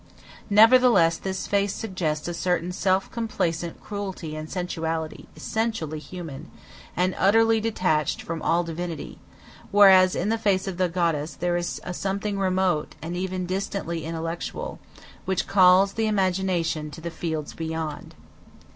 Nevertheless, this face suggests a certain self complacent cruelty and sensuality essentially human, and utterly detached from all divinity, whereas in the face of the goddess there is a something remote, and even distantly intellectual, which calls the imagination to "the fields beyond."